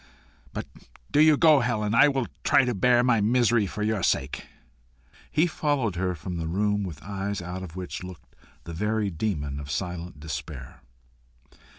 But do you go, Helen. I will try to bear my misery for your sake." He followed her from the room with eyes out of which looked the very demon of silent despair.